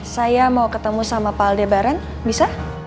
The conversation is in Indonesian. saya mau ketemu sama pak aldebaran bisa